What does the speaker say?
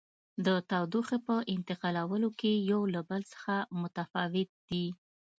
د تودوخې په انتقالولو کې یو له بل څخه متفاوت دي.